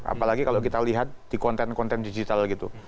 apalagi kalau kita lihat di konten konten digital gitu